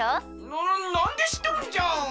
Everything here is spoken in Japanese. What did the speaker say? ななんでしっとるんじゃ！